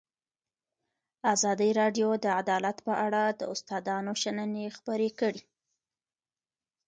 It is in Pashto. ازادي راډیو د عدالت په اړه د استادانو شننې خپرې کړي.